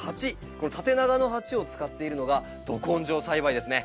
この縦長の鉢を使っているのがど根性栽培ですね。